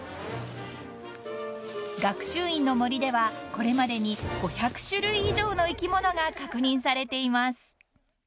［学習院の森ではこれまでに５００種類以上の生き物が確認されています］